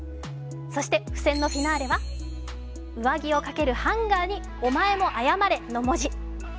そして、付箋のフィナーレは上着を掛けるハンガーにお前もあやまれの文字。